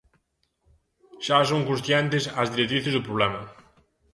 Xa son conscientes as directrices do problema.